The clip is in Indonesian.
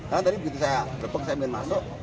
karena tadi begitu saya lepek saya ingin masuk